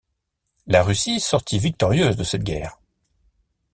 La Russie sortit victorieuse de cette guerre.